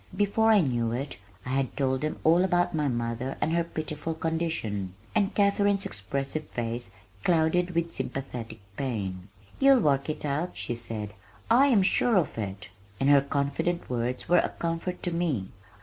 Before I knew it I had told them all about my mother and her pitiful condition, and Katharine's expressive face clouded with sympathetic pain. "You'll work it out," she said, "I am sure of it," and her confident words were a comfort to me.